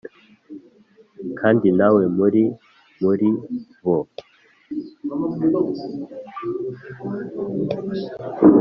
kandi namwe muri muri bo